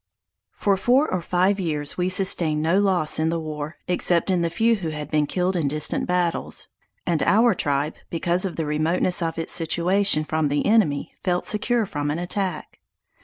For four or five years we sustained no loss in the war, except in the few who had been killed in distant battles; and our tribe, because of the remoteness of its situation, from the enemy, felt secure from an attack.